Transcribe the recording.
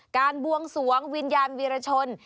บวงสวงวิญญาณวีรชน